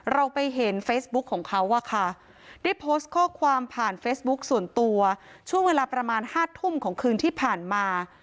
เราไปเห็นเฟซบุ๊คของเขาอะค่ะได้โพสต์ข้อความผ่านเฟซบุ๊คส่วนตัวช่วงเวลาประมาณ๕ทุ่มของคืนที่ผ่านมา